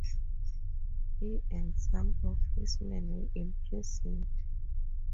He and some of his men were imprisoned.